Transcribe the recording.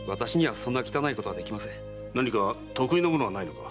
何か得意なものはないのか？